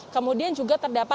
kemudian juga terdapat